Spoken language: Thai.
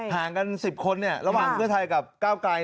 ห่างกัน๑๐คนระหว่างเพื่อไทยกับก้าวไกล